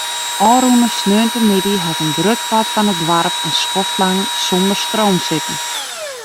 Ofrûne sneontemiddei hat in grut part fan it doarp in skoftlang sonder stroom sitten.